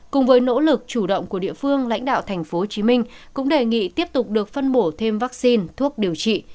cùng với nỗ lực chủ động của địa phương lãnh đạo tp hcm cũng đề nghị tiếp tục được phân bổ thêm vaccine thuốc điều trị